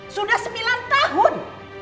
sudah sembilan tahun